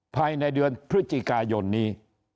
ภายในเดือนพฤศจิกายนนี้